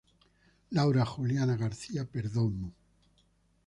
Laura Juliana Garcia Perdomo